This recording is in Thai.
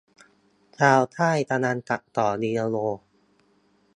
ชาวค่ายกำลังตัดต่อวีดิโอ